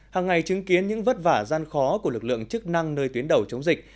hàng ngày chứng kiến những vất vả gian khó của lực lượng chức năng nơi tuyến đầu chống dịch